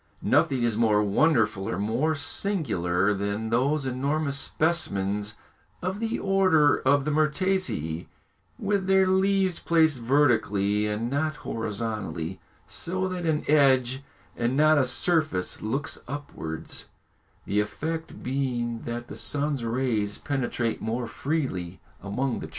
Nothing is more wonderful or more singular than those enormous specimens of the order of the myrtaceæ, with their leaves placed vertically and not horizontally, so that an edge and not a surface looks upwards, the effect being that the sun's rays penetrate more freely among the trees.